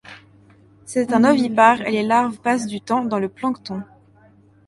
C'est un ovipare et les larves passent du temps dans le plancton.